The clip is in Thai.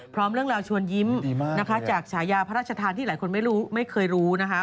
พร้อมเรื่องราวชวนยิ้มนะคะจากฉายาพระราชทานที่หลายคนไม่รู้ไม่เคยรู้นะคะ